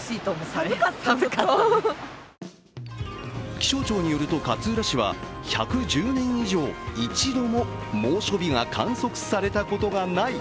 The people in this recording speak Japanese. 気象庁によると勝浦市は１１０年以上一度も猛暑日が観測されたことがない